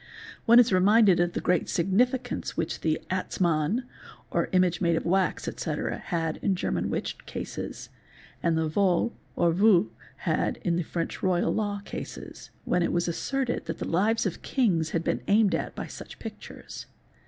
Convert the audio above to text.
One is reminded of the great significance which the " Atzmann " "3 9 or image made of wax, etc., had in German witch cases, and the vols or voits had in the French Royal Law cases, when it ' was asserted that the lives of kings had been aimed at by such pictures.